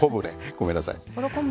ごめんなさい。